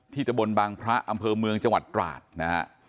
ตะบนบางพระอำเภอเมืองจังหวัดตราดนะฮะ